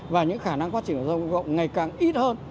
và những khả năng phát triển giao thông công cộng ngày càng ít hơn